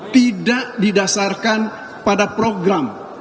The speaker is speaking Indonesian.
tidak didasarkan pada program